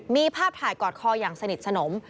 มีภาพถ่ายกอดคออย่างสนิทสนม